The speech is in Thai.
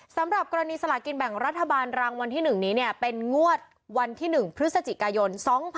สำหรับกรณีสลากินแบ่งรัฐบาลรางวัลที่๑นี้เป็นงวดวันที่๑พฤศจิกายน๒๕๖๒